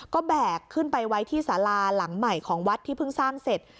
ก็แบกขึ้นไปไว้ที่สาราหลังใหม่ของวัดที่เพิ่งสร้างเสร็จ